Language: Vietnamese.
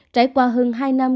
trải qua hơn hai năm